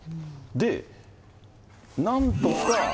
で、なんとか。